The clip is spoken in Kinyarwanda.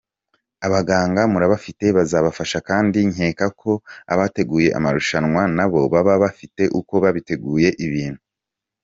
Abaganga murabafite bazabafasha kandi nkeka ko abateguye amarushanwa nabo baba bafite uko bateguye ibintu.